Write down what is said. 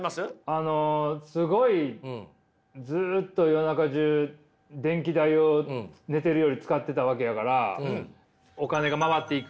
あのすごいずっと夜中じゅう電気代を寝ているより使ってたわけやからお金が回っていく。